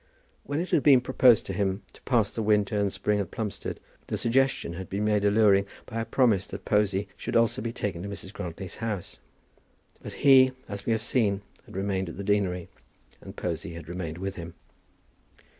When it had been proposed to him to pass the winter and spring at Plumstead, the suggestion had been made alluring by a promise that Posy also should be taken to Mrs. Grantly's house. But he, as we have seen, had remained at the deanery, and Posy had remained with him.